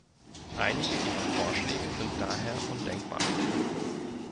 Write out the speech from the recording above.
Einige Ihrer Vorschläge sind daher undenkbar.